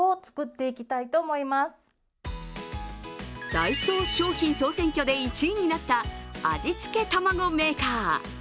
ダイソー商品総選挙で１位になった味付けたまごメーカー。